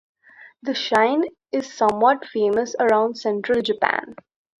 The shrine is somewhat famous around central Japan.